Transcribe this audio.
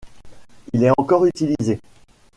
Il est encore utilisé.